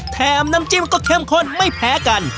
แถมน้ำจิ้มก็เข้มข้นไม่แพ้กัน